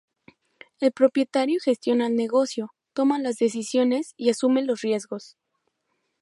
El propietario gestiona el negocio, toma las decisiones y asume los riesgos.